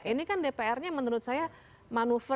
ini kan dpr nya menurut saya manuver